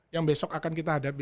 yang besok akan kita hadapi